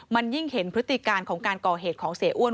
มันยิ่งเห็นพฤติการของการก่อเหตุของเสียอ้วน